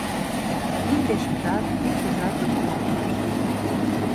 Индешыжат, иктыжат уке улмаш